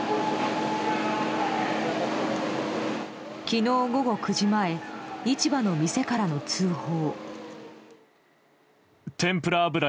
昨日午後９時前市場の店からの通報。